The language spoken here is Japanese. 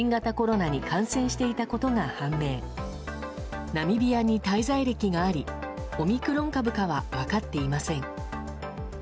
ナミビアに滞在歴がありオミクロン株かは分かっていません。